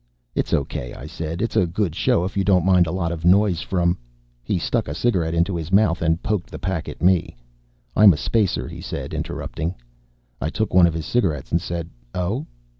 "It's okay," I said. "It's a good show if you don't mind a lot of noise from " He stuck a cigarette into his mouth and poked the pack at me. "I'm a spacer," he said, interrupting. I took one of his cigarettes and said: "Oh."